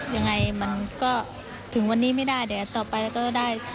ยังไงมันก็ถึงวันนี้ไม่ได้เดี๋ยวต่อไปก็ได้